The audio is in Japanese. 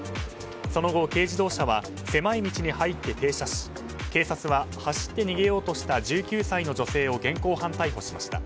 その後軽自動車は狭い道に入って停車し警察は走って逃げようとした１９歳の女性を現行犯逮捕しました。